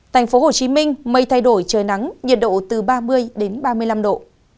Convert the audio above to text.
thành phố hồ chí minh mây thay đổi trời nắng nhiệt độ từ ba mươi đến ba mươi năm độ